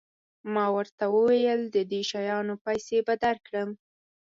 ما ورته وویل د دې شیانو پیسې به درکړم.